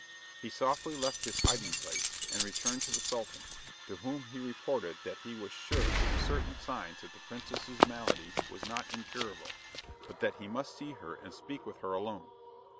He softly left his hiding place, and returned to the Sultan, to whom he reported that he was sure from certain signs that the princess's malady was not incurable, but that he must see her and speak with her alone.